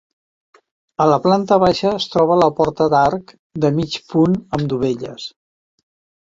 A la planta baixa es troba la porta d'arc de mig punt amb dovelles.